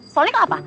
soalnya kalau apa